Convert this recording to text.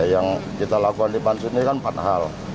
yang kita lakukan di pansus ini kan empat hal